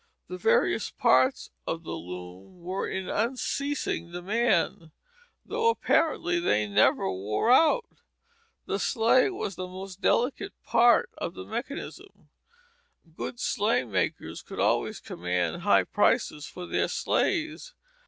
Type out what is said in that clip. The various parts of the looms were in unceasing demand, though apparently they never wore out. The sley was the most delicate part of the mechanism. Good sley makers could always command high prices for their sleys.